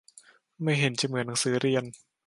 ไม่เห็นจะเหมือนหนังสือเรียน